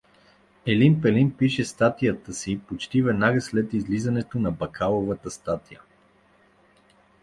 Елин Пелин пише статията си почти веднага след излизането на Бакаловата статия.